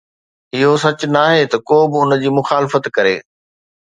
اهو سچ ناهي ته ڪو به ان جي مخالفت ڪري